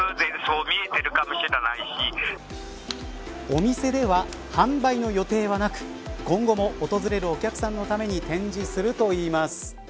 お店では販売の予定はなく今後も訪れるお客さんのために展示するといいます。